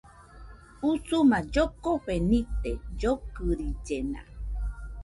Usuma llokofe nite, llokɨrillena